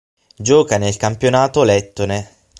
Gioca nel campionato lettone.